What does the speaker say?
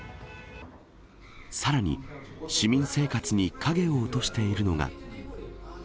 さらに、市民生活に影を落としているのが。